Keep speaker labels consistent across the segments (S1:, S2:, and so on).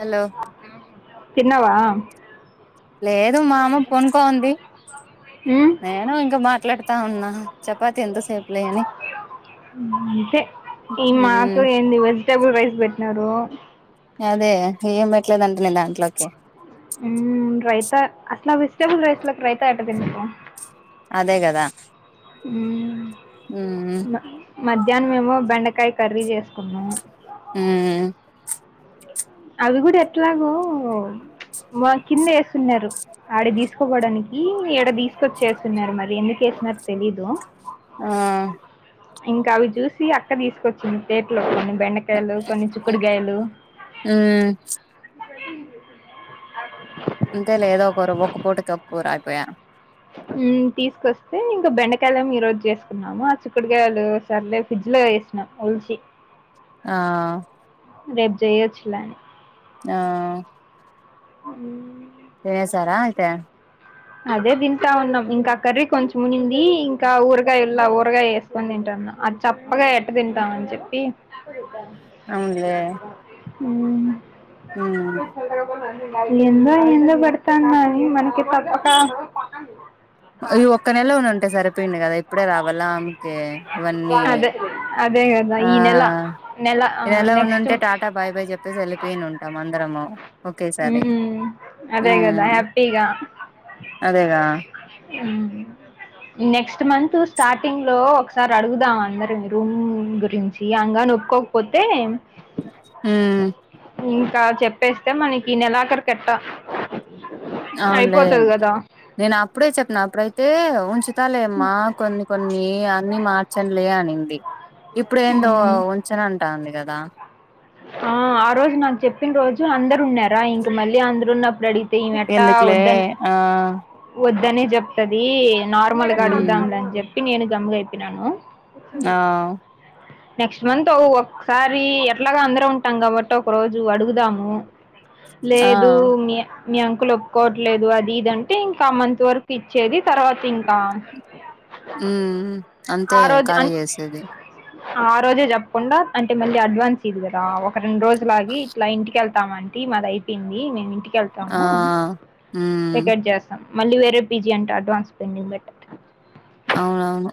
S1: Hello
S2: తిన్నవా
S1: లేదు మా అమ్మ పనుకోంది
S2: ఉమ్,
S1: నేను ఇంకా మాట్లాడు తవునా చపాతి ఎంత సేపు లే అని
S2: ఉహ్ టే ఈ మాకు
S1: మ్మ్
S2: ఏంది వెజిటబుల్ రైస్ పెట్టినారు.
S1: యదే ఏం బెట్టలేదంట్లే దాంట్లోకి
S2: ఉహ్ రైతా అట్లా వెజిటబుల్ రైస్లకు రైతా ఎట్ల తింటారు.
S1: అదే గదా
S2: ఉహుహ్
S1: ఉహుహ్
S2: మధ్యానం మేమో బెండకాయ కర్రీ జేస్ కుము
S1: హ.
S2: అవి కూడా ఎట్లాగో వా కింద ఏస్తున్నారు. ఆడ తీసుకోపోవడానికి ఈడ తీసుకొచ్చేస్తున్నారు మరి ఎందుకువేస్తున్నారో తెలీదు.
S1: ఆ.
S2: ఇంకా అవి చూసి అక్క తీసుకొచ్చింది తేట్లో కొన్ని బెండకాయలు కొన్ని చిక్కుడుకాయలు
S1: ఊ. అంతే లే ఏదో ఒకరు ఒక పూట కప్పు కూరు అయిపోయ.
S2: తీసుకొస్తే ఇంక బెండకయలు ఈ రోజు చేసుకున్నాము ఆ చిక్కుడుకాయలు సర్లే ఫ్రిడ్జ్ లో వేసి. నాఓల్సి.
S1: ఆ.
S2: రేపు చేయొచ్చులాని.
S1: ఆ. తినేసారా అయితే.
S2: అదే తింటా ఉన్నాం ఇంకా కర్రీ కొంచెం ఉనింది ఇంకా ఊరగాయ ఇల్లా ఊరగాయ వేస్. కొని తింటాన్న అది చప్పగా ఎట్ట తింటాం అని చెప్పి.
S1: అవునులే
S2: ఊ.
S1: హూ.
S2: ఎందో ఎందో పడతాన్నాయి మనకి తప్పక.
S1: ఈ ఒక్క నెల ఉ ఉంటాయి సరే పిండి కదా ఇప్పుడే రావాల ఆమెకి ఇవన్నీ.
S2: అదే. అదే కదా
S1: ఆ
S2: ఈ నెల నెల ఆ
S1: ఈ
S2: నెక్స్ట్.
S1: ఉండుంటే టాటా బాయ్ బయ్ చెప్పేసి వెళ్ళలిపోయిను ఉంటాం అందరము.
S2: ఊ
S1: ఒకేసారి
S2: అదే గదా
S1: ఉమ్
S2: హ్యాపీగా.
S1: అదేగా
S2: అ. నెక్స్ట్ మంత్ స్టార్టింగ్ లో ఒకసారి అడుగుదాం అందరిమీ రూమ్ గురించి అంగాన్ ఒప్పుక్కో. క్ పోతే.
S1: ఉమ్
S2: ఇంకా చెప్పేస్తే మనకి నెలాఖరి కెట్ట.
S1: అవునులే
S2: అయిపోతది కదా.
S1: నేను అప్పుడే చెప్పిన అప్పుడైతే ఉంచు. చెస్తాలమ్మా కొన్ని కొన్ని అన్ని మార్చంలే అనిద్ది. ఇప్పుడు ఏందో
S2: మ్మ్.
S1: ఉంచనంటాంది కదా.
S2: ఆ ఆ రోజు నాకు చెప్పిన రోజు అందరు ఉన్నారా ఇంక మళ్ళీ అందరు ఉన్నప్పుడు అడిగిత్. దీనట్టా
S1: ఎందుకులే
S2: వద్దన్.
S1: ఆ
S2: వద్దనే చెప్తది నార్మల్గా
S1: ఉమ్
S2: అడుగుదాంలే అని చెప్పి నేను గమ్ముగా అయిపోయినాను.
S1: ఆ
S2: నెక్స్ట్ మంత్ ఒక్ సారి. అట్లాగా అందరూ ఉంటాం కాబట్టి ఒక రోజు అడుగుదాము
S1: ఆ
S2: లేదు మీ. మీ అంకులు ఒప్పుకోవట్లేదు అది ఇది అంటే ఇంకా మంత్ వరక్ ఇచ్చేది తర్వాత ఇంకా.
S1: ఊ.
S2: ఆ రోజు అన్ ఆ రోజే చెప్పకుండా అంటే మళ్ళీ అడ్వాన్స్ ఇదిగదా. రెండు రోజులాగి ఇట్లా ఇంటికెళ్తామాంటి మాదయిపోయింది మేమింటికెళ్.
S1: ఆ
S2: స్తాము
S1: ఉమ్
S2: టికెట్ చేస్తాం మళ్ళీ వేరే పీజీ అంటే అడ్వాన్స్ పెండింగ్ బట్.
S1: అవునవును.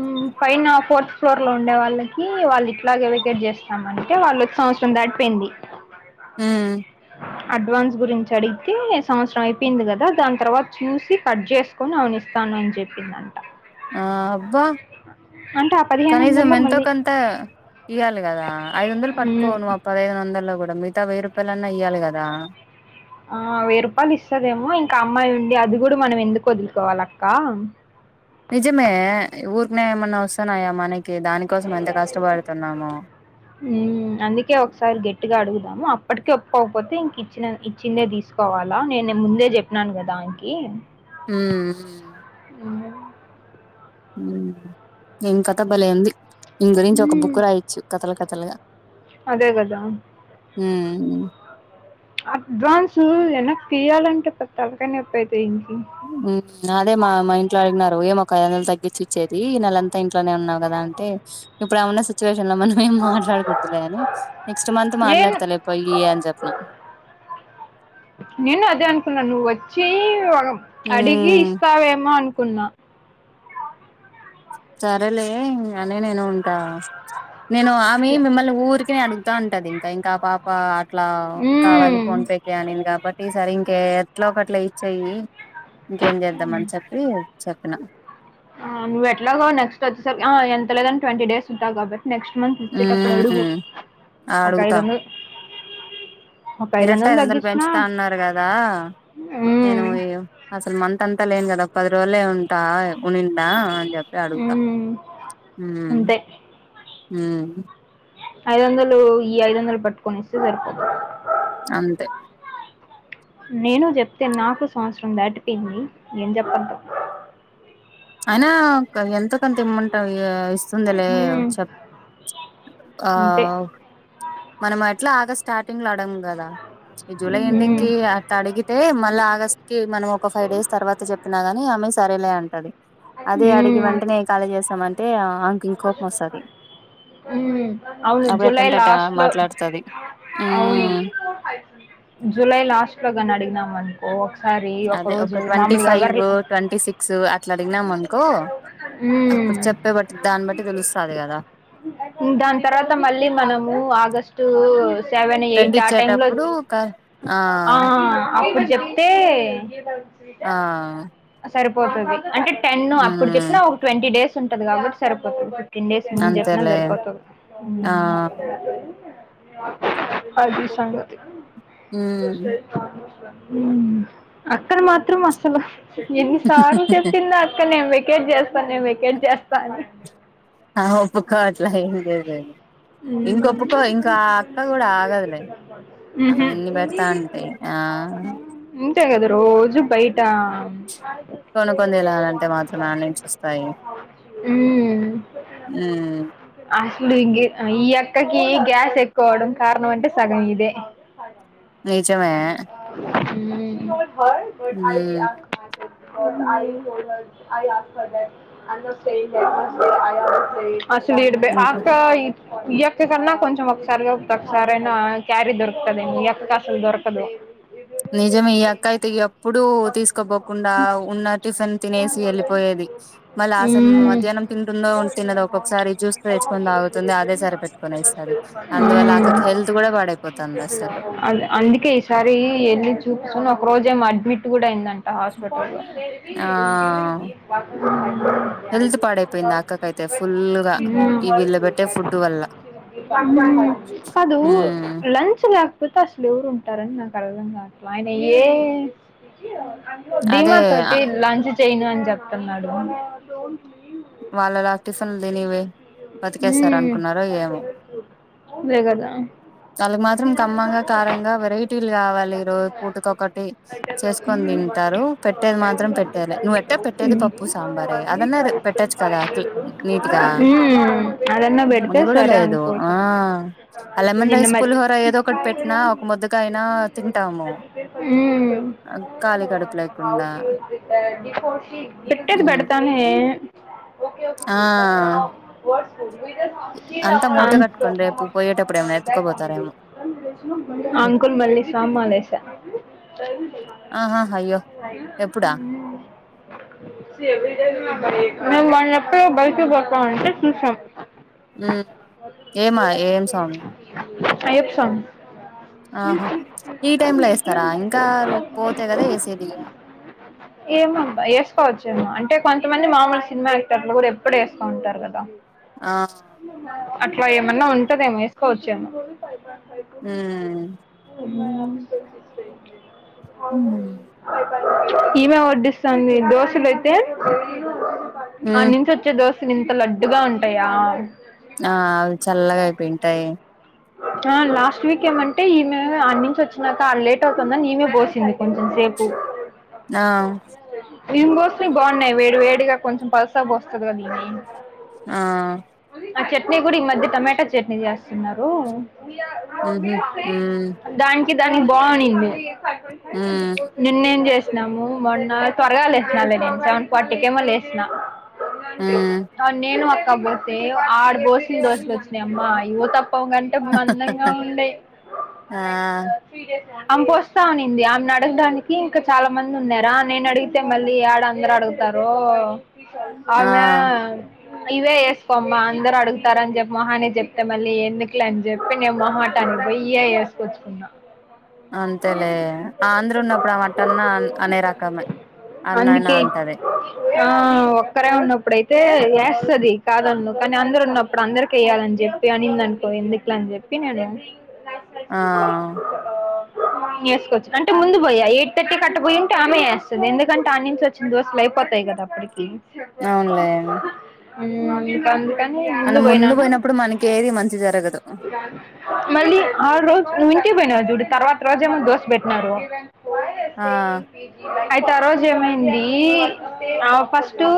S2: ఉ పైన ఫోర్త్ ఫ్లోర్ లో ఉండే వాళ్ళకి వాళ్ళు ఇట్లాగే వెకేట్ జేస్తామంటే వాళ్ళొచ్ సంవత్స. దాటిపోయింది.
S1: ఊమ్
S2: అడ్వాన్స్ గురించి అడిగితే సంవత్సరం అయిపోయింది గదా దాన్ తర్వాత చూసి కట్ జేసు కొని అప్పుడు ఇస్తానని చెప్పిందంట
S1: ఆ అబ్బా
S2: అంటే ఆ పదిహేను
S1: కనీసం
S2: వందల్లో మళ్ళీ
S1: ఎంతోకంత ఇయ్వాలె గదా ఐదొందలు
S2: మ్మ్.
S1: పట్టుకోను అప్ పదహేనొందల్లో గూడ మితా వేయి రూపాయలన్నా ఇయాలి గదా
S2: ఆ వెయ్ రూపాలిస్సదేమో ఇంకామ్మాయుండి అది గూడ మనం ఎందుకొదులుకోవాలక్క
S1: నిజమే ఊరికనే ఏమన్నా ఒస్తున్నాయా మనకి దానికోసం ఎంత కష్టపడుతున్నాము
S2: ఊమ్ అందుకే ఒకసారి గట్టిగా అడుగుదాము అప్పటిక ఒప్పుకపోతే ఇంక ఇచ్చ ఇచ్చిందే తీసుకోవాలా నేను ముందే చెప్పినాను కదా అంకీ
S1: ఉ ఉమ్ ఇమ్ కథ భలేవుంది ఇమ్ గురించి ఒక
S2: మ్మ్,
S1: బుక్ రాయచ్చు కథలు కథలుగా
S2: అదే కదా అడ్వాన్సు వెనకి తీయాలంటే పెద్ద తలకాయ నొప్పి అయిపోయింది
S1: ఉమ్మ్ అదే మా మా ఇంట్లో అడిగినారు ఏమక్క ఐదు వందలు తగ్గించి యిచ్చేది నేలంతా ఇంట్లోనే ఉన్నావు గదా అంటే ఇప్పుడమున్న సిచువేషన్ లో మనమేం మాట్ల మాట్లాడు కుడదులే అని నెక్స్ట్ మంత్
S2: నేను
S1: మాట్లాడతలే పొయ్యి అని జెప్పినం
S2: నేను అదే అనుకున్నాను నువ్వు వచ్చి అడిగి నువ్వు
S1: ఉమ్
S2: వస్తావేమో అనుకున్నా
S1: సరేలే ఇంకానే నేను ఉంటా ఇంకా నేను ఆమె మిమ్మల్ని ఊరికినే అడుగు తా ఉంటది ఇంకా ఇంకా పాప అట్లా కావాలి ఫోన్ పే
S2: మ్మ్.
S1: కానింగ్ కాబటి ఈ సరీంకెట్లో కట్లా ఇచ్చేయి ఇంకేం జేద్దామని చెప్పి చెప్పిన
S2: నువ్వు ఎట్లాగో నెక్స్ట్ వచ్చే సారికీ ఆ ఎంత లేదన ట్వంటీ డేస్ ఉంటావు కాబట్టి నెక్స్ట్ మంత్స్ యిచ్చేటప్పుడడుగు
S1: ఉమ్
S2: ఒక
S1: అడుగుతా
S2: ఐదొందల్
S1: మీరట్ట ఐదు వందలు పెంచుతా ఉన్నారు కదా నేను ఈ అసల్ మంత్ అంతా లేను గదా ఓక్ పది రోజులే ఉన్ టా ఉనిందా అనీ చెప్పి అడుగుతా ఉ
S2: అంతే
S1: ఉ
S2: ఐదొందలు ఈ ఐదొందలు పట్టుకోనిస్తే సరిపోతది
S1: అంతే
S2: నేను చెప్తే నాకు సంవత్సరం దాటిపోయింది ఏం చెప్పలో
S1: అయినా దన్ ఎంతోకొంతిమ్మంటా ఇగా బిస్ సందలే
S2: ఉమ్,
S1: చెప్ ఆ
S2: అంతే
S1: మనం ఎట్లా ఆగస్టు స్టార్టింగ్ లో అడగము గదా ఈ జూలై ఎండింగ్
S2: ఉమ్,
S1: కి అట్ అడిగితే మళ్ళ ఆగస్ట్ కి మనం ఒక ఫైవ్ డేస్ తర్వాత జెప్పినా గాని అమె స్ సరేలే అంటది అదే అడిగి
S2: ఉమ్.
S1: వెంటనే కాళీ చేస్తామంటే అంకి కోపం వస్తది
S2: ఊమ్ అవును
S1: అప్పుడు
S2: జూలై
S1: ఎట్టంటే అట్ట
S2: లాస్ట్ లో
S1: మాట్లాడుతది
S2: అవును
S1: ఉమ్
S2: జులై లాస్ట్ లొగా నడిగినామని ఓ ఒకసారి ఒక
S1: అదే
S2: రోజు
S1: ట్వంటీ
S2: మామూలుగా వర్
S1: ఫైవ్ ట్వంటీ సిక్స్ అట్లా అడిగినం అనుకో అప్పుడు
S2: ఉమ్,
S1: చెప్పే బట్టి దాన్ని బట్టి తెలుస్తది కదా
S2: దాని తర్వాత మళ్ళీ మనము ఆగస్టు సెవెన్ ఎయిట్ ఆ టైం లో
S1: కుక్కర్
S2: ఆ అప్పుడు చెప్తే
S1: ఆ
S2: సరిపోతది అంటే టెన్ అప్పుడు
S1: ఉమ్
S2: చెప్పినా ఒక ట్వంటీ డేస్ ఉంటది కాబట్టి సరిపోతది టెన్ డేస్ ముందు చెప్పిన
S1: అంతేలే
S2: సరిపోతుంది
S1: ఆ
S2: ఉమ్ అది సంగతి
S1: ఉమ్
S2: ఉమ్ అక్క ను మాత్రం అసలు ఎన్నిసార్లు చెప్పిందో అక్క నేను వెకేట్ చేస్తాను నేను వెకేట్ చేస్తా అని
S1: ఆహా ఒప్పు కోట్లా ఏం లేదు లెండి
S2: ఉమ్
S1: ఆగదులే ఆమె
S2: ఉహుమ్
S1: ఇన్ని పెడతా అంటే ఆ
S2: ఉంటే కదా రోజూ బయటా
S1: కొనుక్కొని తినాలంటే మాత్రం యాడ్నుంచి వస్తాయి
S2: ఉమ్
S1: ఉమ్
S2: అసలు ఇంగి అ ఈ అక్కకి గ్యాస్ ఎక్కువ అవడం కారణం అంటే సగం ఇదే [unintelligible]
S1: నీచమే ఉమ్
S2: ఉమ్ ఆయి ఆస్కడ అసలు ఇడు
S1: ఇంకా
S2: ఆక్క ఈ అక్క కన్నా కొంచెం ఒకసారి కాకపోతే ఒకసారైనా క్యారీ దొరుకుతది ఈ అక్కకి అసలు దొరకదు
S1: నిజమే ఈ అక్కయితే ఎప్పుడు తీసుకోపోకుండా ఉన్న టిఫిన్ తినేసి వెళ్ళిపోయేది మళ్లా అసలు
S2: మ్మ్.
S1: మధ్యానం తింటుందో ఉ తిన్నదో ఒక్కొక్కసారి జ్యాస్ తేచ్చుకొని తాగుతుంది అదే సరిపెట్టుకొని యేస్తది అందువల్ల అక్కకి హెల్త్ గూడా పడైపోతాంది అసలు
S2: అది అందుకే ఈసారి వెళ్ళి చూసుకొని ఒక రోజు ఏమో అడ్మిట్ కూడా అయిందట హాస్పిటల్ లో
S1: ఆ అయితే ఫుల్ గా ఈ వీళ్ళ పెట్టే ఫుడ్ వల్ల
S2: హుమ్ కదూ
S1: ఉమ్
S2: లంచ్ లే పుల్కాసులు ఎవరు ఉంటారని నాకు అర్ధం కావట్లా ఆయన ఏ
S1: అదే
S2: ధీమా తోటి లంచ్ చెయ్యను అని చెప్తున్నాడు
S1: వాళ్ళ రా టిఫిన్లు దిని వే బతికేస్తారు
S2: మ్మ్.
S1: అనుకున్నారో ఏమో
S2: అదే కదా
S1: వాళ్ళకి మాత్రం కమ్మంగా కారంగా వెరైటీలు కావాలి ఈ రోజు పూటకొకటి చేసుకొని
S2: ఉమ్
S1: తింటారు పెట్టేది మాత్రం పెట్టేలే నువ్వెట్ట పెట్టేది పప్పు సాంబారే అదన్నా పెట్టొచ్చు కదా
S2: ఫైనలు
S1: నీట్గా
S2: ఉమ్ అదన్న పెడితే
S1: అది కూడా
S2: సరే
S1: లేదు
S2: అనుకోవచ్చ
S1: ఆ ఆ లెమన్
S2: నిన్న
S1: రైస్
S2: మద్
S1: పులిహోర ఏదో ఒకటి పెట్టినా
S2: ఉమ్
S1: ఒక ముద్దగా అయినా తింటాము ఖాళీ కడుపు లేకుండా
S2: పెట్టేది
S1: ఉమ్
S2: పెడతానే ఏ
S1: ఆ
S2: ఆం
S1: అంతా మూట కట్టుకుని రేపు పోయేటప్పుడు ఏమైనా ఎత్తుకోపోతారేమో
S2: ఆ అంకుల్ మళ్లి స్వామి మాలేసా
S1: ఆహా అయ్యో ఎప్పుడా
S2: ఉమ్ నేన్ వాళ్ళను ఎప్పుడో బై ఎత్తుకు పోతా అంటే చూసాం
S1: ఉమ్ ఏమా ఏం సాంగ్
S2: అయప్ప సాంగ్
S1: ఆహా ఈ టైమ్ లో యేస్తారా ఇంకా పోతే గదా యేసేది
S2: ఏమోబ్బ ఏసుకోవచ్చ ఏమో అంటే కొంతమంది మామూలుగ సినిమా యాక్టర్లు ఇప్పుడు వేస్త ఉంటారు కదా
S1: ఆ
S2: అట్లా ఏమన్నా ఉంటదేమొ ఏసుకోవచ్చేమో
S1: ఊమ్
S2: [inaudible] ఈమె వడ్డిస్తుంది దోశలు ఐతే ఆడ
S1: ఉమ్
S2: నుంచి టే దోశలు ఇంత లడ్డుగా ఉంటాయా
S1: ఆ అవి చల్లగా అయిపోయింటాయి
S2: ఆ లాస్ట్ వీక్ ఏమంటే ఈమె అ నుంచి వచ్చినాక లేట్ అవుతుందని ఈమె పోసింది కొంచెం సేపు
S1: ఆ
S2: మేం పోసినవి బాగున్నాయి వేడి వేడిగా కొంచెం పల్చగా పోస్తాము [unintelligible]
S1: ఆ
S2: ఆ చట్నీ కూడా ఈ మధ్య టమాటా చట్నీ చేస్తున్నారు
S1: ఉహు ఉమ్
S2: దానికి దానికి బాగునింది
S1: ఉమ్
S2: నిన్న ఏం చేస్త వము మొన్న త్వరగా లేేసినా నేను సెవెన్ ఫార్టీ కేమో లేసిన
S1: ఉమ్
S2: నేను అక్క పోతే ఆడ దోసలు దోసలు వచ్చినాయమ్మా అవి ఊతప్పం కానీ మందంగా ఉన్నాయి
S1: ఆ
S2: ఆమె పోస్తాననింది ఆమెనీ అడగడానికి ఇంకా చాలా మంది ఉన్నారా నేను అడిగితే మళ్ళీ యడ అందరు అడుగు తరు
S1: ఆ
S2: ఆమె ఇవే ఏసుకోమ్మ అందరు అడుగుతారని చెపి మొహానే చెప్తే మళ్ళీ ఎందుకులే చెప్పిన మోహటానికి పోయి ఇయే ఏసుకొచ్చుకున్నా
S1: అంతేలే అందరూ ఉన్నప్పుడు ఆమె అటన్న అనే రకమే అన్నయినా
S2: అందుకే
S1: అంటది
S2: ఆ ఓక్కరే ఉన్నప్పుడైతే వేస్తది కాదను కానీ అందరుూ ఉన్నప్పుడు అందరిక వేయాలని చెప్పి అనిందనుకో ఎందుకు అట్లా అని చెప్పినేను
S1: ఆ
S2: వేసుకోవచ్చు అంటే ముందు పోయా ఎయిట్ థర్టీ కట్ట పోయి ఉంటే ఆమె వేస్తది ఎందుకంటే ఆ నుంచి వచ్చ దోశలు అయిపోతాయి కదా అప్పటికి
S1: అవునులే
S2: ఇంకా కానీ ముందు
S1: మనం
S2: పోయినానా
S1: పోయినప్పుడు మనకి ఏది మంచి జరగదు
S2: మళ్ళీ ఆ రోజు నువ్వు ఇంటికి పోయినవు చూడు తర్వాత రోజే మాకు దోశ పెట్టినారు
S1: ఆ
S2: అయితే ఆ రోజు ఏమైంది ఆమె టూ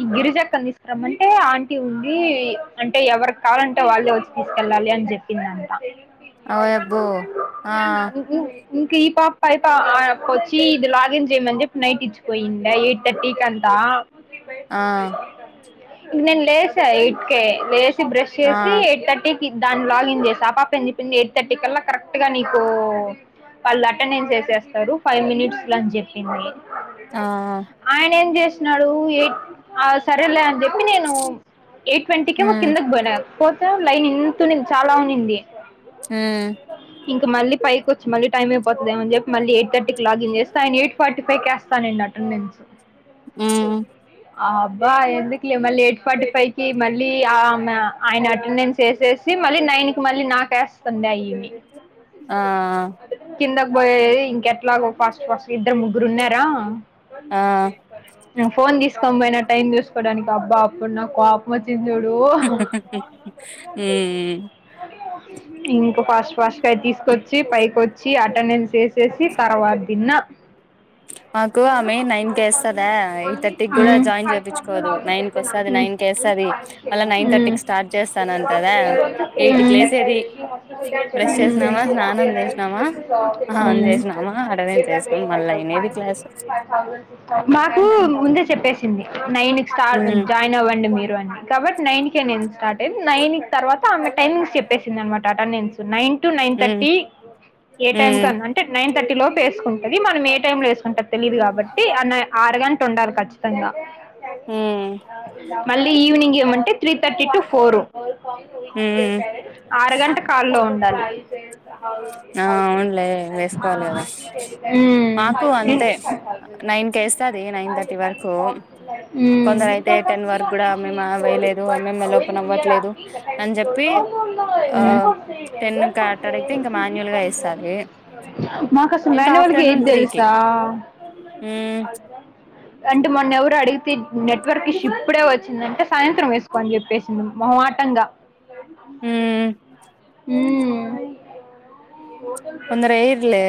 S2: ఈ గిరిజక్కను తీసుకురమంటే ఆంటీ ఉంది అంటే ఎవరికి కాాలంటే వాళ్ళే వచ్చి తీసుకెళ్ళాలి అని చెప్పింది అంట
S1: ఓయబ్బో ఆ
S2: ఇంకా ఈ పాప వచ్చి ఇది లాగిన్ చేయమని చెప్పి నైట్ ఇచ్చిపోయింది ఎయిట్ థర్టీకి అ
S1: ఆ
S2: ఇ నేను లేస ఎయిట్ కే లే బ్రష్
S1: ఆ
S2: చేసి ఎయిట్ థర్టీకి దాన్ని లాగిన్ చేసా ఆ పాపని ఏం చెప్పింది ఎయిట్ థర్టీ కల్లా కరెక్ట్ గా నీకు వాళ్ళు అటెండెన్స్ వేసేస్తారు ఫైవ్ మినిట్స్ లొ అని చెప్పింది
S1: ఆ
S2: ఆయన ఏం చేసినడు ఏ సరేలే అని చెప్పి నేను ఎయిట్ ట్వంటీకేమో
S1: హ్మ్
S2: కిందకి పోయినా పోతే లైన్ ఇంత ఉన్నింది చాలా ఉన్నింది
S1: ఆ
S2: ఇంకా మల్లీ పైకి వచ్చి మళ్లీ టైమ్ అయిపోతది ఏమో అని చెప్పి మళీ ఎయిట్ థర్టీ కి లాగిన్ చేస్తే ఆయన ఎయిట్ ఫార్టీఫై కేస్తా [unintelligible] అటెండెన్స్
S1: ఉం
S2: అబ్బా ఎందుకులే మళ్ళీ ఎయిట్ ఫార్టీ ఫైవ్ కి మళ్ళీ ఆమె ఆయన అటెండెన్స్ వేసే మళ్ళీ నైన్కి మళ్ళీ నాక వేస్తుంది అవిమి [unintelligible]
S1: ఆ
S2: కిందకి పోయేది ఇంకెట్లాగో ఫస్ట్ ఫస్ట్ ఇద్దరు ముగ్గురు ఉన్నారా
S1: ఆ
S2: నేను ఫోన్ తీసుకోని పోయినా టైం చుసుకోవడానికి అబ్బా అప్పుడు నాకు కోప్ వచ్చింది చూడు
S1: హ్మ్
S2: ఇంక ఫాస్ట్ ఫాస్ట్గా తీసుకొచ్చి పైకి వచ్చి అటెండెన్స్ వేసేసి తర్వాత తిన్న
S1: మాకు అమె నైన్ వేస్తదా ఎయిట్ థర్టీకి కూడా జాయిన్ చేపీచు చుకోదు నైన్ క వస్తుంది నైన్ క వేస్తుది మళ్ళ
S2: ఉమ్.
S1: నైన్
S2: ఉమ్.
S1: థర్టీకి స్టార్ట్ చేస్తా అంటదా ఎయిటికి లేసేది బ్రష్ చేసినమా స్నానం చేసినామా ఆహంద [unintelligible] చేసినామా అటెండెన్స్ చేసినాం మళ్ళీ అయినది క్లాస్
S2: మాకు ముందే చెప్పేసింది నైన్కి స్టార్ట్
S1: హ్మ్
S2: జాయిన్ అవ్వండి మీరు అని కాబట్టి నైన్కే నేను స్టార్ట్ అయింది నైన్ తర్వాత ఆమె టైమింగ్స్ చెప్పేసింది అనమాట అటెండెన్స్ నైన్ టు నైన్
S1: హ్మ్
S2: థర్టీ ఏ టైం
S1: హ్మ్
S2: కన నైన్ థర్టీ లోపు వేసుకుంటుంది మనం ఏ టైంలో వేసుకుంటది తెలియదు కాబట్టి ఆ అర గంట ఉండాలి ఖచ్చితంగా
S1: హ్మ్
S2: మళ్ళీ ఈవినింగ్ ఏమంటే త్రీ థర్టీ టు ఫోర్ ఆ
S1: హ్మ్
S2: ఆరగంట కాల్లో ఉండాలి
S1: ఆ అవునులే వేసుకోవాలి కదా
S2: ఉమ్
S1: మాకు అంతే నైన్ కేస్తది నైన్ థర్టీ వరకు కొందరు అయితే టెన్ వరకు కూడా మేము
S2: ఉం
S1: వేయలేదు ఎంఎంఎల్ ఓపెన్ అవ్వట్లేదు అని చెప్పి
S2: ఉం
S1: తే ఇంకా మాన్యుల్ గా వేస్తది
S2: మాకు అసలు
S1: ఇంకా
S2: మ్యాన్యువల్గా
S1: ఆఫ్టర్నూన్
S2: ఏది
S1: త్రీకి
S2: తెలుసా అవునా
S1: మ్మ్
S2: అంటే మొన్న ఎవరు అడిగితే నెట్వర్క్ ఇష ఇప్పుడే వచ్చిందంటే సాయంత్రం వేసుకోని చెప్పేసి మొహమాటంగా
S1: మ్మ్
S2: ఉం
S1: కొందర ఏయిర్లే